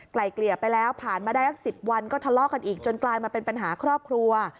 เกลี่ยไปแล้วผ่านมาได้สัก๑๐วันก็ทะเลาะกันอีกจนกลายมาเป็นปัญหาครอบครัว